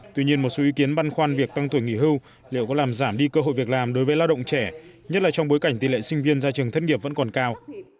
tuy nhiên một số ý kiến băn khoăn việc tăng tuổi nghỉ hưu liệu có làm giảm đi cơ hội việc làm đối với lao động trẻ nhất là trong bối cảnh tỷ lệ sinh viên ra trường thân nghiệp vẫn còn cao